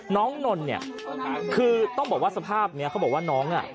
นนท์เนี่ยคือต้องบอกว่าสภาพนี้เขาบอกว่าน้องอ่ะ